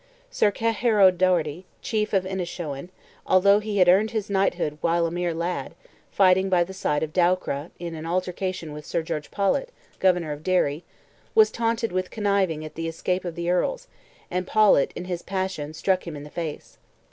Sir Cahir O'Doherty, chief of Innishowen, although he had earned his Knighthood while a mere lad, fighting by the side of Dowcra, in an altercation with Sir George Paulett, Governor of Derry, was taunted with conniving at the escape of the Earls, and Paulett in his passion struck him in the face.